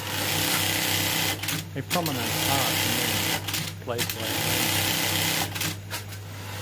A prominent part in them is played by a rain-stick.